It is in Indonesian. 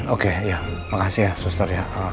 oke ya makasih ya suster ya